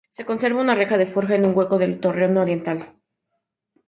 Se conserva una reja de forja en un hueco del torreón oriental.